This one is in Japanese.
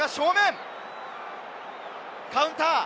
カウンター。